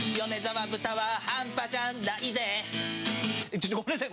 ちょっと、ごめんなさい。